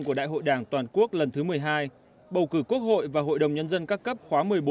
của đại hội đảng toàn quốc lần thứ một mươi hai bầu cử quốc hội và hội đồng nhân dân các cấp khóa một mươi bốn